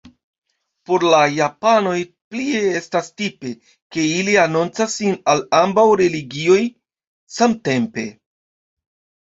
Por la japanoj plie estas tipe, ke ili anoncas sin al ambaŭ religioj samtempe.